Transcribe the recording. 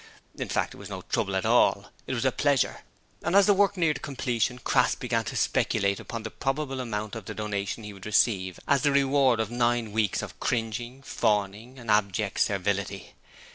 In fact, it was no trouble at all: it was a pleasure. As the work neared completion, Crass began to speculate upon the probable amount of the donation he would receive as the reward of nine weeks of cringing, fawning, abject servility.